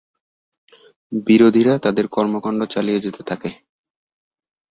বিরোধীরা তাদের কর্মকাণ্ড চালিয়ে যেতে থাকে।